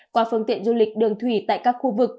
qua phương tiện du lịch đường thủy tại các khu vực